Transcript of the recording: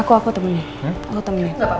aku aku temankan